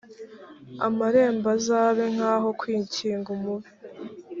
amarembo azabe nkaho kwikinga umubi